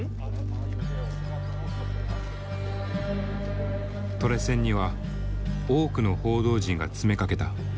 トレセンには多くの報道陣が詰めかけた。